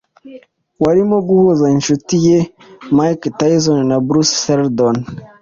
warimo guhuza inshuti ye Mike Tyson na Bruce Seldon.